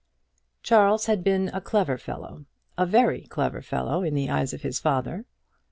Charles had been a clever fellow, a very clever fellow in the eyes of his father.